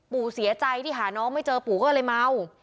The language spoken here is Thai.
เสียใจที่หาน้องไม่เจอปู่ก็เลยเมา